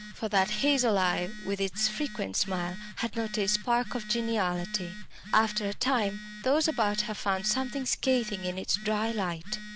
For that hazel eye, with its frequent smile, had not a spark of geniality. After a time those about her found something scathing in its dry light.